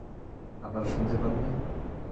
আপনারা শুনতে পাননি?